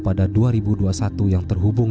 pada dua ribu dua puluh satu yang terhubung